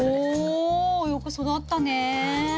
およく育ったね。